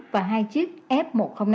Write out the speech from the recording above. và hai chiếc f một trăm linh năm